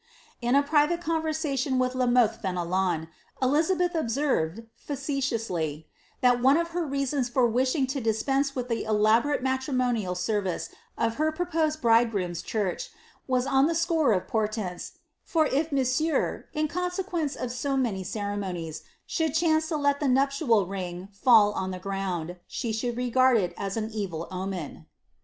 ^ In a private conversation with La Mothe Fenelon, Elizabeth observed, &cetiously, ^^ that one of her reasons for wishing to dispense with the diborate matrimonial service of her proposed bridegroom's church, was on the score of portents, for if monsieur, in consequence of so many ceremonies, should chance to let the nuptial ring fall on the ground, she ihould regard it as an evil omen."